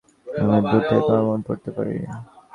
আমরা দূর থেকে তোমার মন পড়তে পারি।